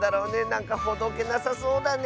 なんかほどけなさそうだね。